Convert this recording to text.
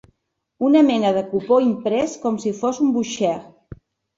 Una mena de cupó imprès com si fos un voucher.